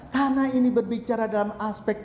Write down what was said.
karena ini berbicara dalam aspek